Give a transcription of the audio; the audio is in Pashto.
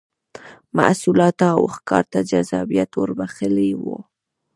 محصولاتو او ښکار ته جذابیت ور بخښلی و